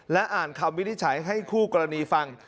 และอ่านคำวินิจฉัยให้คู่กรณีฟัง